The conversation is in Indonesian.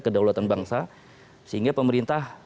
kedaulatan bangsa sehingga pemerintah